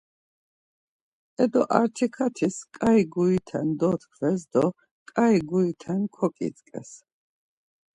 Edo artikartis ǩai gurite dotkves do ǩai gurite koǩitzǩes.